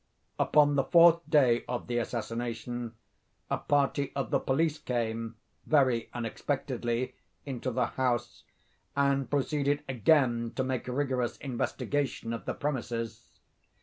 Upon the fourth day of the assassination, a party of the police came, very unexpectedly, into the house, and proceeded again to make rigorous investigation of the premises.